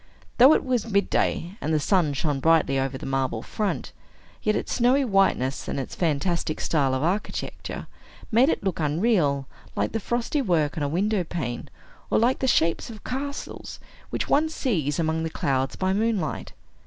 Though it was midday, and the sun shone brightly over the marble front, yet its snowy whiteness, and its fantastic style of architecture, made it look unreal, like the frost work on a window pane, or like the shapes of castles which one sees among the clouds by moonlight.